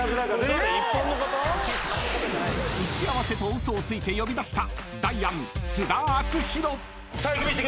［打ち合わせと嘘をついて呼び出した］